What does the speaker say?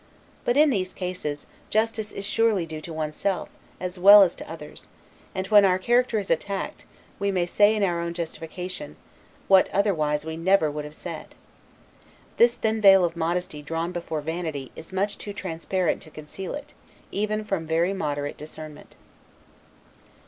But, in these cases; justice is surely due to one's self, as well as to others; and when our character is attacked, we may say in our own justification, what otherwise we never would have said. This thin veil of Modesty drawn before Vanity, is much too transparent to conceal it, even from very moderate discernment.